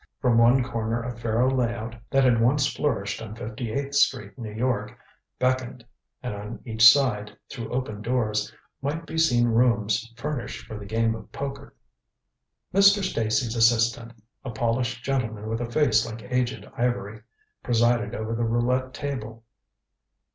From one corner a faro lay out that had once flourished on Fifty eighth Street, New York, beckoned. And on each side, through open doors, might be seen rooms furnished for the game of poker. Mr. Stacy's assistant, a polished gentleman with a face like aged ivory, presided over the roulette table.